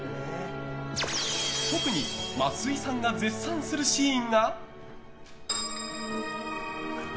特に増井さんが絶賛するシーンが。